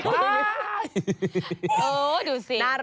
โอ้ดูสิ